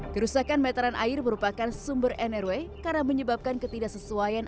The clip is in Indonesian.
kerusakan meteran air merupakan sumber nrw karena menyebabkan ketidaksesuaian